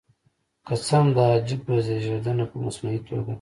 که څه هم دا عجیب زېږېدنه په مصنوعي توګه.